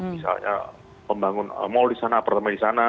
misalnya membangun mall di sana apartemen di sana